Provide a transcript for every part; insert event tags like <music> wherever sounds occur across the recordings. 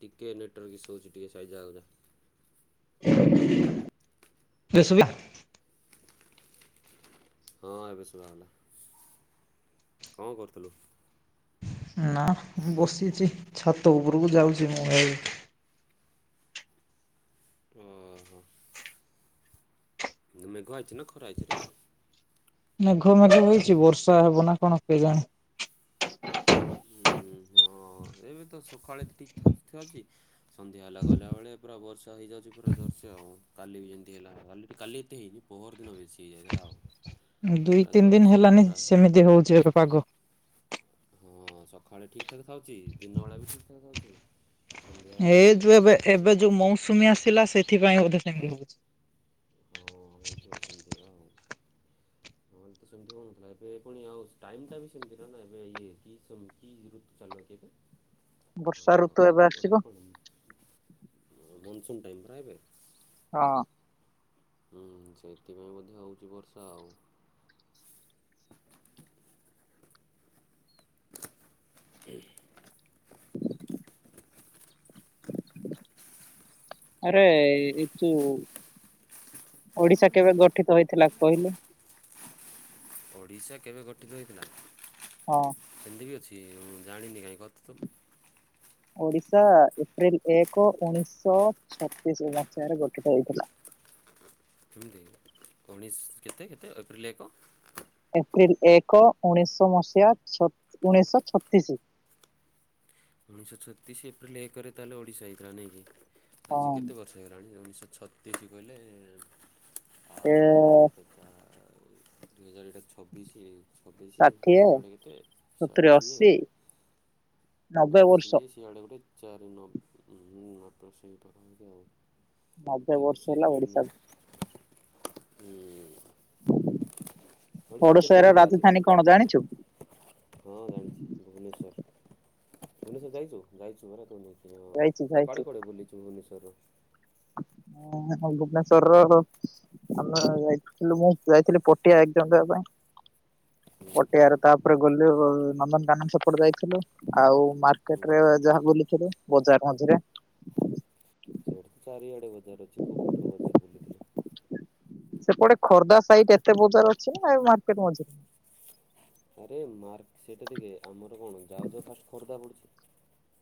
ଟିକେ network issue ହଉଛି ଟିକେ ସାଇଜ ଜାଗା କୁ ଜା। <unintelligible> ଏବେ ଶୁଭିଲା। ହଁ ଏବେ ଶୁଭାଗଲା। କଣ କରୁଥିଲୁ? ନା ବସିଛି ଛାତ ଉପରକୁ ଯାଉଛି ମୁଁ ଏବେ। ଓହ। ମେଘୁଆ ଅଛି ନା ଖରା ହେଇଛି ରେ। ମେଘ ମେଘ ହଇଛି ବର୍ଷା ହେବ ନା କଣ କେ ଜାଣେ। ଉଁ, ହଁ ଏବେ ତ ସକାଳେ ଠିକ୍ ଥାଉଛି ଥାଉଛି ସନ୍ଧ୍ୟା ହେଲା ଗଲାବେଳେ ପୁରା ବର୍ଷା ହେଇଯାଉଛି ପୁରା ଜୋରସେ ଆଉ କାଲି ବି ଏମତି ହେଲା କାଲିଠୁ କାଲି ଏତେ ହେଇନି। ପହରଦିନ ବେଶି ହେଇଯାଇଥିଲା ଆଉ। ଦୁଇ ପୁରା ତିନି ଦିନ ଜୋରସେ ହେଲାଣି ପୁରା ସେମିତି ହେଉଛି ଏବେ ପାଗ। ହଁ ସକାଳେ ଠିକ୍। ଠିକ୍ ଠାକ୍ ଥାଉଛି ଦିନ ବେଳା ବି ଠିକ୍ ଠାକ୍ ଥାଉଛି ସନ୍ଧ୍ୟା ହେଲା ବୋଲେ ସେଠୁ ବର୍ଷା ତୁମେ ଆସିଲା <unintelligible> ଥିପାଇଁ ବୋଧେ ସେମିତି ହେଉଛି। ହଁ ହଁ ହେଇଥିବ ସେମିତି ଏକା ଆଉ। <inaudible> ନ ହେଲେ ତ ସେମିତି ହେଉ ନ ଥିଲା ଏବେ ପୁଣି ଆଉ ଟାଇମ ଟା ବି ସେମିତି ଟା ନା ଏବେ ୟେ କି ସମୟ କି ଋତୁ ଚାଲିବ କି ଏବେ? <inaudible> ବର୍ଷା ଆମର ଋତୁ ଏବେ ଆସିବ ଓଡ଼ିଆ ରେ କଣ ମୁନସୁନ ଟାଇମ ପରା ଏବେ। ହଁ ହଁ ସେଇଥିପାଇଁ ବୋଧେ ହେଉଛି ବର୍ଷା ଆଉ। <unintelligible> <inaudible> ଆରେ ରିତୁ ଓଡ଼ିଶା କେବେ ଗଠିତ ହୋଇଥିଲା କହିଲୁ? ଓଡିଶା କେବେ ଗଠିତ ହୋଇଥିଲା? ହଁ। ଏମତି ବି ଅଛି ମୁଁ ଜାଣିନି କାଇଁ କହ ତୁ ତ। ଓଡିଶା ଏପ୍ରିଲ ଏକ ଉଣେଇଶ ଛତିଶି ମସିହାରେ ଗଠିତ ହୋଇ ଥିଲା। ଏମିତି ଉଣେଇଶ କେତେ କେତେ ଏପ୍ରିଲ ଏକ। ଏପ୍ରିଲ ଏକ ଉଣେଇଶ ମସିହା ଛତି ଉଣେଇଶ ଛତିଶି। ଉଣେଇଶ ଛତିଶି ଏପ୍ରିଲ ଏକ ରେ ତା ହେଲେ ଓଡ଼ିଶା ହୋଇ ଥିଲା ନାଇକି ହଁ ଆଜି କେତେ ବର୍ଷ ବର୍ଷ ହେଇଗଲାନି ଉଣେଇଶ ଛତିଶି କହିଲେ ଆ <unintelligible> <unintelligible> ଦୁଇ ହଜାର ଏଇଟା ଛବିଶି ହେଇଗଲା। ଛବିଶି ଷାଠିଏ ସିଆଡେ କେତେ ସତୁରି ଷାଠିଏ। ଅଶୀ ନବେ ବର୍ଷ ଅଶିଏ ସିଆଡେ ଗୋଟେ ଚାରି ନବେ ସେଇ ପାଖା ପାଖି ଆଉ। ନବେ କେତେ ବର୍ଷ ହେଲା ହେଇଗଲାନି ଓଡିଶା ନାଇ ହୁଁ। ଓଡ଼ିଶାରେ କେତେ ଟା ଓଡିଶାର ଜିଲ୍ଲା ଅଛି ରାଜଧାନୀ କୁହ ତ? କଣ ଜାଣିଛୁ? ହଁ ଜାଣିଛି ଭୁବନେଶ୍ୱର। ଭୁବନେଶ୍ୱର ଯାଇଛୁ ଯାଇଛୁ ପରା ତୁ ନାଇକି ହଁ ଯାଇଛି ଯାଇଛି କୁଆଡେ କୁଆଡେ ବୁଲିଛୁ ଭୁବନେଶ୍ୱର ର? ମୁଁ ଭୁବନେଶ୍ୱର ର। ଆମେ ଯାଇଥିଲୁ ମୁଁ ଯାଇଥିଲି ପଟିଆ ଏକଜାମ୍ ଦେବା ପାଇଁ ହୁଁ ପଟିଆ ରେ ତା ତା ପରେ ଗଲି ଆଉ ନନ୍ଦନ କାନନ ସେପଟେ ଯାଇଥିଲୁ। ଆଉ ମାର୍କେଟ ହୁଁ ରେ ଯାହା ବୁଲିଥିଲୁ ବଜାର ମଝିରେ। ସେଟି ତ ଚାରିଆଡେ ବଜାର ଅଛି କୋଉ ପଟର ବଜାର ବୁଲିଥିଲୁ। ସେପଟେ ଖୋର୍ଦ୍ଧା ସଇଟ ଏତେ ବଜାର ଅଛି ନା ଏ ମାର୍କେଟ ମଝିରେ? ଆରେ ମାର୍ ସେଟା ଦେଖେ ଆମର କଣ ଯାଉ ଯଉ ଫାଷ୍ଟ ଖୋର୍ଦ୍ଧା ପଡୁଛି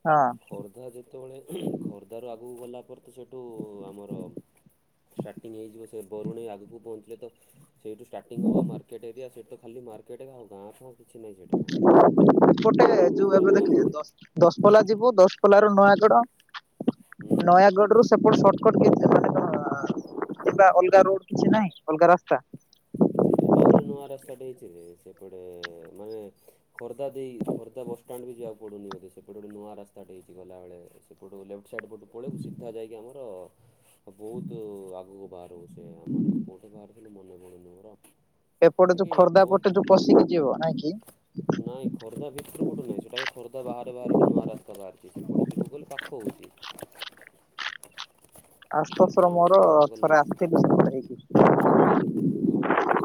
ହଁ ଖୋର୍ଦ୍ଧା ଯେତେବେଳେ ଉଃ ଖୋର୍ଦ୍ଧାରୁ ଆଗକୁ ଗଲା ପରେ ତ ସେଇଠୁ ଆମର ଷ୍ଟାର୍ଟିଂ ହେଇଯିବ ସେ ବରୁଣେଇ ଆଗକୁ ପହଞ୍ଚିଲେ ତ ସେଇଠୁ ଷ୍ଟାର୍ଟିଂ ହେବ ମାର୍କେଟ ଏରିଆ ସେଠୀ ତ ଖାଲି ମାର୍କେଟ ଆଉ ଗାଁ ଫା ଗୋଟେ ଯୋଉ ପୁରା ଏବେ ମାର୍କ ଦେଖ ଦ ଦଶପଲା ଯିବୁ ଦଶପଲା ରୁ ନୟାଗଡ ହୁଁ। ନୟାଗଡ ରୁ ସେପଟଟ ସଟ କଟ ମାନେ କଣ ଅଲଗା ରୋଡ କିଛି ନାହିଁ ଅଲଗା ରାସ୍ତା? ଏବେ ଗୋଟେ ନୂଆ ରାସ୍ତାଟେ ହେଇଛି ଯେ ସେପଟେ ମାନେ ଖୋର୍ଦ୍ଧା ଦେଇ ଖୋର୍ଦ୍ଧା ବସଷ୍ଟଣ୍ଡ ବି ଯିବାକୁ ପଡୁନି ବୋଧେ ସେପଟେ ଗୋଟେ ନୂଆ ରାସ୍ତାଟେ ହେଇଛି ଗଲାବେଳେ। ସେପଟୁ ଲେଫ୍ଟ ସାଇଟ ପଟୁ ପଳେଇବୁ ସିଧା ଯାଇକି ଆମର ବହୁତ ଆଗକୁ ବାହାରିବୁ। ଏ ଆମର କୋଉଠି ବାହାରିଥିଲୁ ମନେ ପଡୁନି ମୋର। ଏପଟେ ଯୋଉ ବାକି ଖୋର୍ଦ୍ଧା ବହୁତ ପଟେ ଯୋଉ ପଶିକି ଯିବ ନାଇଁ କି? ନାଇଁ ଖୋର୍ଦ୍ଧା ଭିତରୁ ପଟୁ ନାଇଁ ସେଟା ଖୋର୍ଦ୍ଧା ବାହାରେ ବାହାରେ ନୂଆ ରାସ୍ତା ବାହାରିଛି ସେପଟୁ ଯିବକୁ ଗଲେ ପାଖ ହଉଛି। <inaudible> ଆଶୁ ତୋଷ ସେଥର ର ମୋର ଥରେ ଆସିଥିଲୁ ସେପଟେ ହେଇକି। ଉଁ ହୁଁ କଣ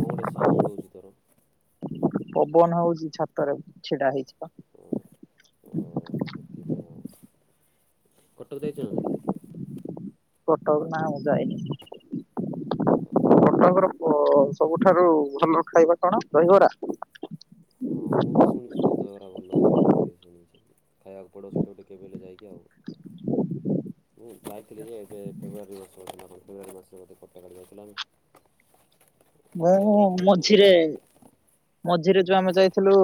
ଗୋଟେ ସାଉଣ୍ଡୁ ହଉଛି ତୋର? ପବନ ହଉଛି ଛାତରେ ଛିଡା ହେଇଛି ପା। ଉଁ ହୁଁ ଓହୋ ସେଥିପାଇଁ ଆଉ କଟକ ଯାଇଛ ନା ନାଇଁ? କଟକ ନା ମୁଁ ଯାଇନି। ଆପଣଙ୍କର କ ସବୁଠାରୁ ଭଲ ଖାଇବା କଣ ରହିବରା? ହଁ ମୁଁ ବି ଶୁଣିଛି। ସେ ଦଗରା ଭଲ ହେଉଛି ବୋଲି ଶୁଣିଛି ଖାଇବାକୁ ପଡ଼ିବ ସେଠୁ ଟିକ କେବେ ହେଲେ ଯାଇକି ଆଉ। ମୁଁ ଯାଇଥିଲି ଯେ ଏବେ ଫେବୃୟାରୀ ମାସ ନା କଣ ଫେବୃୟାରୀ ମାସରେ ବୋଧେ କଟାଗାଡି ଯାଉଥିଲା ଆମେ। ଦହି ମୁଁ ବରା ଖାଇ ନିି ମଝିରେ ଆମେ‌। ମଝିରେ ଯୋଉ ଆମେ ଯାଇଥିଲୁ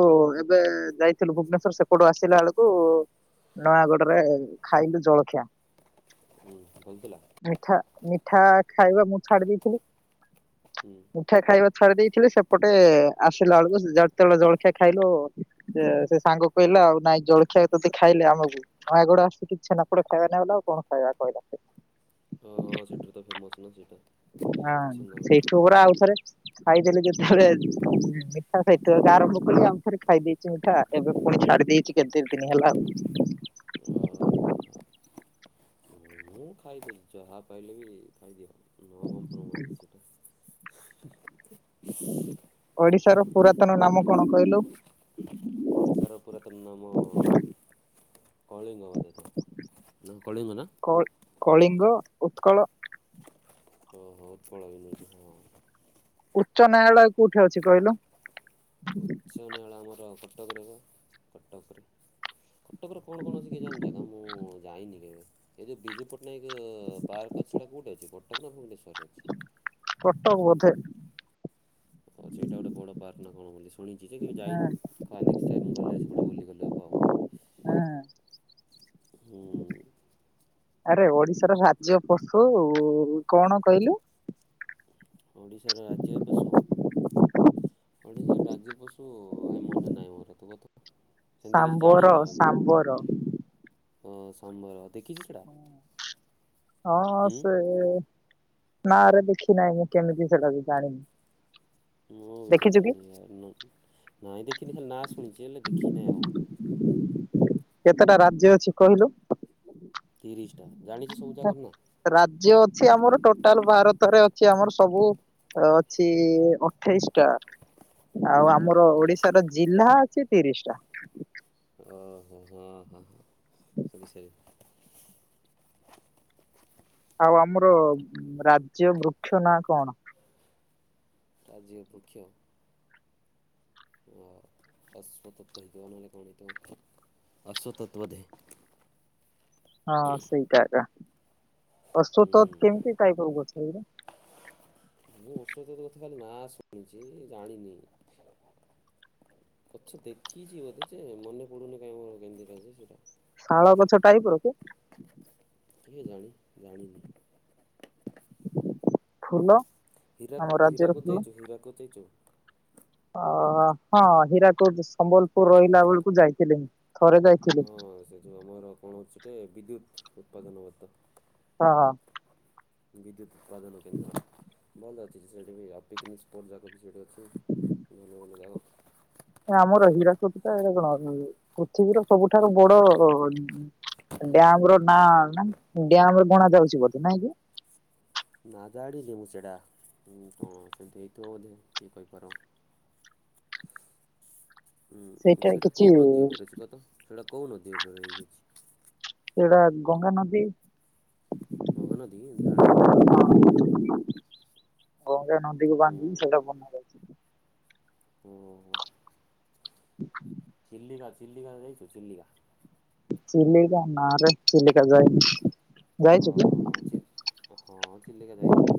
ଏବେ ଯାଇଥିଲୁ ଭୁବନେଶ୍ଵର ସେପଟୁ ଆସିଲା ବେଳକୁ ନୟାଗଡରେ ଖାଇଲୁ ଜଳଖିଆ। ହୁଁ ହେଇଥିଲା? ମିଠା ମିଠା ଖାଇବା ମୁଁ ଛାଡି ଦେଇଥିଲି। ହୁଁ। ମିଠା ଖାଇଆ ଛାଡି ଦେଇଥିଲି ସେପଟେ ଆସିଲା ବେଳକୁ ଯେତେବେଳେ ଜଳଖିଆ ଖାଇଲୁ ସେ ସାଙ୍ଗ କହିଲା ଆଉ ନାଇଁ ଜଳଖିଆ ତୋତେ ଖାଇଲେ ଆମକୁ। ନୟାଗଡ଼ ଆସିକି ଛେନା ପୋଡ ଖାଇବା ନାଇଁ ବୋଇଲେ ଆଉ କଣ ଖାଇବା କହିଲ? ହଁ ସେଠୁତ ଫେମସ ନା ସେଇଟା। ନା ନା ଛେନାପୋଡ଼ ସେଇଠୁ ପୁରା ଆଉ ଥରେ ଖାଇଦେଲେ ଯେତେବେଳେ ମିଠା ହେଇଥିବ ଆରମ୍ଭ କଲି ଆଉଥରେ ଖାଇ ଦେଇଛି ମିଠା। ଏବେ ପୁଣି ଛାଡି ଦେଇଛି କେତେ ଦି ଦିନ ହେଲା ଆଉ। ଓହୋ ହଁ। ମୁଁ ଖାଇଦେଲି ଚାହା ପାଇଲେ ବି ଖାଇଦିଅ ନୋ କମ୍ପ୍ରୋମାଇଜ୍ ସେଇଟା। ଓଡିଶାର ପୁରାତନ ନାମ କଣ କହିଲୁ? ଓଡ଼ିଶାର ପୁରାତନ ନାମ କଳିଙ୍ଗ ବୋଧେ ହେଇଥିବ ନା କଳିଙ୍ଗ ନା? କ କଳିଙ୍ଗ ଉତ୍କଳ। ହଁ ହଁ ଉତ୍କଳ ହେଇଯାଇଛି ହଁ। ଉଚ୍ଚ ନ୍ୟାୟାଳୟ କୋଉଠି ଅଛି କହିଲୁ? ଉଚ୍ଚ ନ୍ୟାୟାଳୟ ଆମର କଟକ ରେ ବା କଟକରେ। କଟକରେ କଣ କୌଣସି କିଜାଣି ଜାଗା ମୁଁ ଯାଇନି କେବେ। ଏ ଯୋଉ ବିଜୁ ପଟ୍ଟନାୟକ ପାର୍କ ଅଛି ସେଇଟା କେଉଁଠି ଅଛି କଟକ ନା ଭୁବନେଶ୍ୱରରେ ଅଛି? କଟକ ବୋଧେ। ଆଉ ସେଇଟା ଗୋଟେ ବଡ଼ ପାର୍କ ନା କଣ ବୋଲି ଶୁଣିଚି ଯେ କେବେ ହଁ ଯାଇନି। ହଁ ନେକ୍ସଟ ଟାଇମ୍ ଗଲେ ସେପଟେ ବୁଲିଗଲେ ହେବ ଆଉ। ହଁ ହୁଁ। ଆରେ ଓଡିଶାର ରାଜ୍ୟ ପଶୁ କଣ କହିଲୁ? ଓଡ଼ିଶାର ରାଜ୍ୟ ପଶୁ ଓଡ଼ିଶା ରାଜ୍ୟ ପଶୁ ଆ ମନେ ନାହିଁ ମୋର ତୁ ମୋତେ ସେମିତି କିଛି ସାମ୍ବର ଜାଣିନି ଆ ମୁଁ ସାମ୍ବର ହଁ ସମ୍ଭୟ ଦେଖିଛୁ ସେଟା। ହଁ ହଁ ସେ ନାରେ ଦେଖି ନାହିଁ ମୁଁ କେମିତି ସେଟାବି ଜାଣିନି। ମୁଁ ବି ଦେଖିଛୁ କି ଦେଖିନି ଆ ନାଇଁ ଦେଖିନି ଖାଲି ନାଁ ଶୁଣିଚି ହେଲେ ଦେଖିନାହିଁ ଆଉ। କେତେଟା ରାଜ୍ୟ ଅଛି କହିଲୁ। ତିରିଶଟା ଜାଣିଛୁ ସବୁ ଜାଗାର ନାଁ। ରାଜ୍ୟ ଅଛି ଆମର ଟୋଟାଲ ଭାରତରେ ଅଛି ଆମର ସବୁ ଅଛି ଅଠେଇଶି ଟା ଅ, ଆଉ ଆମର ଓଡିଶାର ଅଠେଇଶଟା ଜି ନା ଅଛି ତିରିଶି ଟା। ଓହୋ ହ ହଁ ହଁ ସବୁ ସେ ଆଉ ଆମର ରାଜ୍ୟ ବୃକ୍ଷ ନାଁ କଣ। ରାଜ୍ୟ ବୃକ୍ଷ। ଅ ଅଶ୍ୟତତ ହେଇଥିବ ନହେଲେ କଣ ହେଇଥିବ ଅଶ୍ୟତତ ବୋଧେ। ହଁ ସେଇଟା ଆକା ଅଶ୍ୟତତ ହୁଁ, କେମିତି କାଇ କୋଉ ଗଛକିରେ। ମୁଁ ଔଷତ ଦଉଚି ନାଶୁଣିଚି ଜାଣିନି। ଆଛା ଦେଖିଛି ବୋଧେ ଯେ ମନେ ପଡ଼ୁନି କାଇକି ମୋର କେମିତିକା ଯେ ସେଇଟା। ଶାଳ ଗଛ ଟାଇପ୍ ର କି। କିଏ ଜାଣି ଜାଣିନି। ଫୁଲ ଆମ ହୀରାକୁ ରାଜ୍ୟର ହୀରାକୁଦ ଫୁଲ। ଯାଇଚୁ ହୀରାକୁଦ ଯାଇଚୁ। ଅ ହଁ ହୀରାକୁଟ ସମ୍ବଲପୁର ରହିଲା ବେଳକୁ ଯାଇଥିଲି ଥରେ ଯାଇଥିଲି। ହଁ ସେ ଯେଉଁ ଆମର କଣ ଅଛିଟେ ବିଦ୍ୟୁତ୍ ଉତ୍ପାଦନବତ। ହଁ ହଁ। ବିଦ୍ୟୁତ ଉତ୍ପାଦନକେନ୍ଦ୍ର। ଭଲ ଅଛି ସେଇଠି ବି ପିକ୍ନିକ୍ ସ୍ପଟ୍ ଯାଗା ବି ସେଇଠି ଅଛି ଭଲ ଭଲ ଯାଗା ଆମର ହୀରାକୁଦଟା ଏଇଟା କଣ ପୃଥିବୀର ସବୁଠାରୁ ବଡ଼ ଡ଼୍ୟାମର ନା ଡ୍ୟାମରେ ଗଣା ଯାଉଛି ବଧେ ନାଇଁ କି। ନା ଜାଣିନି ମୁଁ ସେଇଟା କଣ ସେମିତି ହେଇଥିବ ବୋଧେ କିଏ କହିପାର। ଉଁ ସେଇଟା କୋଉ ନଦୀ ଉପରେ ଅଛି କତ ସେଇଟା କୋଉ ନଦୀ ଉପରେ ହେଇକିଅଛି। ସେଟା ଗଙ୍ଗା ନଦୀ। ଗଙ୍ଗା ନଦୀ ଜାଣି ନଥିନି ମୁ। ଗଙ୍ଗା ନଦୀକୁ ହୁଁ ବାନ୍ଧିକି ସେଇଟା ବନାଯାଏ। ଓହୋ। <inaudible> ଚିଲିକା ଚିଲିକା ଯାଇଚୁ ଚିଲିକା। ଚିଲିକା ନାରେ ଚିଲିକା ଯାଇନି ଯାଇଛୁ କି? ହଁ ଚି ହଁ ଚିଲିକା ଯାଇଥିଲି।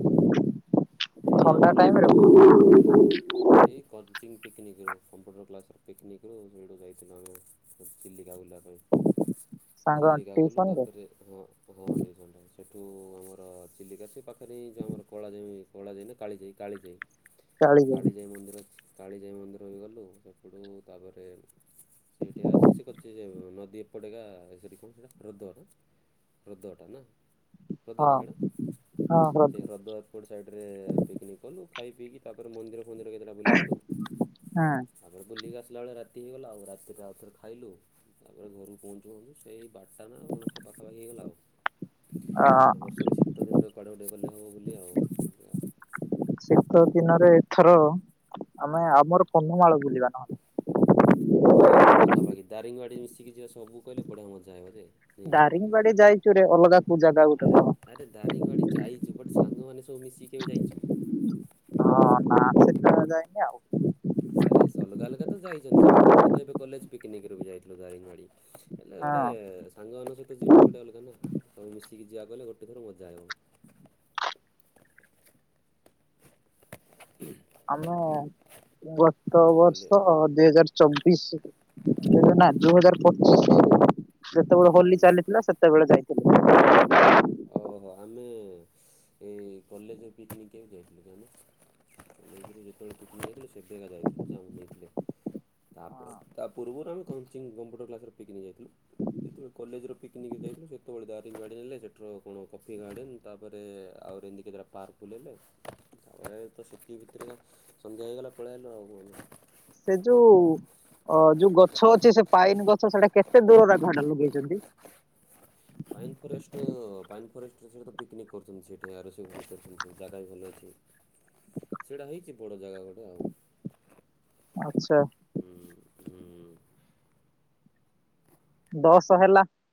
ଏଇ ଥଣ୍ଡା ଆମର ଟାଇମ ସେ ରେ ଯୋଉ ଆମର ଏଇ କଚିଂ ପିକନିକରୁ କମ୍ପ୍ୟୁଟର କ୍ଲାସ୍ର ପିକନିକ୍ ରୁ ସେଇଠୁ ଯାଇଥିଲୁ ଆମେ ଚିଲିକା ବୁଲିବାପାଇଁ। <inaudible> ଚିଲିକା ଗଲୁ ଟିଉସନ ରେ ତାପରେ ହଁ ହଁ ଟିସନ୍ ଟାଇମ୍ ଅଛି। ସେଠୁ ଆମର ଚିଲିକାଶି ପାଖରେ ହିଁ ଆମର କଳା ଯାଇ କଳା ଯାଇନା କାଳିଜାଇ କାଳିଜାଇ କାଳିଜାଇ ମନ୍ଦିର ଅଛି କାଳିଜାଇ ମନ୍ଦିର ବି ଗଲୁ ସେପଟୁ ତାପରେ ସେଇଠି ଆସି ସେ କଛି ନଦୀ ଏପଟେକା ସେଇଠି କଣ ସେଇଟା ହ୍ରଦବ ନା। ହ୍ରଦଟା ନା ହ୍ରଦ ହଁ ନା ସେଇଟା ହଁ ସେଇ ହ୍ରଦ ଆ ଗୋଟ ସାଇଟ ପିକ୍ନିକ୍ କଲୁ ଖାଇ ପିଇକି ତାପରେ ମନ୍ଦିର ଫନ୍ଦିର କେତେଟା ବୁଲିଗଲୁ। ହଁ ଆପରେ ବୁଲିକି ଆସିଲା ବେଳେ ରାତି ହେଇଗଲା ଆଉ ରାତିରେ ଆଉଥରେ ଖାଇଲୁ। ତାପରେ ଘରକୁ ପହଞ୍ଚୁୁନ୍ତୁ ସେଇ ବାରଟା ନା ମଣଷ ପାଖାପାଖି ହେଇଗଲା ଆଉ। ଏ ବର୍ଷ ବି ଶୀତ ଦିନରେ କୁଆଡେ ଗୁଟେ ଗଲେ ହବ ବୁଲି ଆଉ ଆଉ। ଶୀତ ଦିନରେ ଏଥର ଆମେ ଆମର କନ୍ଧମାଳ ବୁଲିବା ନହଲେ। ହଁ ସେ ପାଖାପାଖି ଦାରିଙ୍ଗବାଡ଼ି ମିଶିକି ଯିବା ସବୁ କହିଲେ ବଡ଼ିଆ ମଜା ଆଇବ ଯେ ନାଇଁ କି? ଦାରିଙ୍ଗ ବାଡି ଯାଇଛୁ ରେ ଅଲଗା ଜାଗା ଗୋଟେ ଆରେ କହ। ଆରେ ଦାରିଙ୍ଗବାଡି ଯାଇଛୁ ବଟ ସାଙ୍ଗମାନେ ସବୁ ମିଶିକି କେବେ ଯାଇଛ। ହଁ ସେଟା ଯାଇନି ଆଉ। ଆରେ ଅଲଗା ଅଲଗା ତ ଯାଇଛନ୍ତି ସମସ୍ତେ ଆମେ ତ ଏବେ କଲେଜ ପିକନିକ ର ବି ଯାଇଥିଲୁ ଦାରିଙ୍ଗବାଡ଼ି। ହେଲେ ଗୋଟେ ହଁ ସାଙ୍ଗମାନଙ୍କ ସହିତ ଯିବୁ ଗୋଟେ ଅଲଗା ନା ତବୁ ମିଶିକି ଯିବାକୁ ଗଲେ ଗୋଟେ ଥର ମଜା ଆଇବ। ହୁଁ। ଆମ ଗତ ନହେଲେ ବର୍ଷ ଦୁଇ ହଜାର। ଚବିଶ ନା ଦୁଇ ହଜାର ପଚିଶ ଯେତେବେଳେ ହୋଲି ହୁଁ। ଚାଲିଥିଲା ସେ। ସେତବେଳେ ଯାଇଥିଲି। ଓହୋ ଆମେ ଏଇ କଲେଜ ପିକ୍ନିକ୍କୁ ରେ ଯାଇଥିଲୁ କିମେ। ନେଇଥିଲି ଯେତେବେଳେ ଟୁକୁ ଯାଇଥିଲେ ସେବେ ଜାଗା ଯାଇଥିଲଥିଲେ ଯା ନେଇଥିଲେ। ହଁ ତା ପୂର୍ବରୁ ଆମେ କୋମ୍ପୁଟର କ୍ଲାସ ରେ ଯାଇଥିଲୁ। ଯେତେବେଳେ କଲେଜର ପିକନିକ୍ ଯାଇଥିଲୁ ସେତେବେଳେ ଦାରିଙ୍ଗବାଡ଼ି ନେ ସେଠ କଣ କଫି ଗାର୍ଡ଼େନ୍ ତାପରେ ଆଉର ଏମିତି କେତା ପାର୍କ ବୁଲେଇଲେ। ତାପରେ ତ ସେତିକି ଭିତରେ ତ ସନ୍ଧ୍ୟା ହେଇଗଲା ପଳେଇଲୁ ଆଉ। ସେ ଯୋଉ ଅ ଯୋଉ ଗଛ ଅଛି ସେ ପାଇନ ଗଛ ସେଟା କେତେ ଦୂରରେ ଘଟା ଲଗେଇଛନ୍ତି। ପାଇନ ଫରେଷ୍ଟ ପାଇନ ଫରେଷ୍ଟ ସେ ତ ପିକନିକ୍ କରୁଛନ୍ତି ସେଠି ଆଛନ୍ତି ଜାଗା ବି ଭଲ ଅଛି। <inaudible> ସେଇଟା ହେଇଛି ବଡ଼ ଜାଗା ଗୋଟେ ଆଉ। ଆଛା। ହୁଁ ହୁଁ ହୁଁ। ଦଶ ହେଲା।